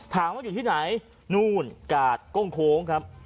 ถามว่าอยู่ที่ไหนนู่นกาดก้งโค้งครับ